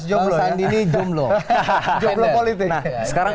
bang sandi ini jumloh jumloh politik